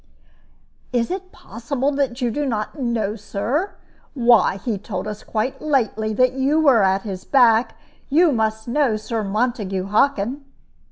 "Is it possible that you do not know, Sir? Why, he told us quite lately that you were at his back! You must know Sir Montague Hockin."